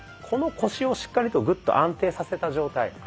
この腰をしっかりとグッと安定させた状態